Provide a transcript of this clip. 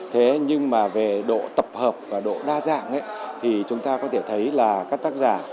thế nhưng mà về độ tập hợp và độ đa dạng thì chúng ta có thể thấy là các tác giả